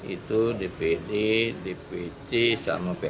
itu dpd dpc sama pac